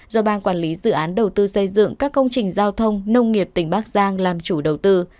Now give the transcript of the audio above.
do ban quản lý dự án đầu tư xây dựng các công trình giao thông nông nghiệp tỉnh bắc giang làm chủ đầu tư